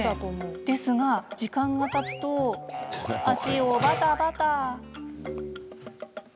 ですが、時間がたつと足をバタバタ。